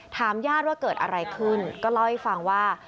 ญาติว่าเกิดอะไรขึ้นก็เล่าให้ฟังว่า